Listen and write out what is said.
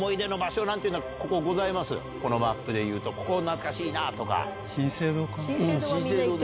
このマップでいうとここ懐かしいな！とか。